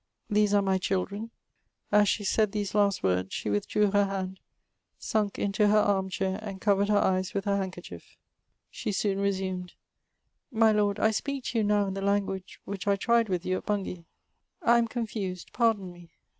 These are my children." As she said these last words she withdrew her hand, sunk into her arm chair, and covered her eyes with her handkerchief. She soon resumed ;My Lord, I speak to you now ia the language which I tried with you at Bungay. 1 am confused ; pardon me.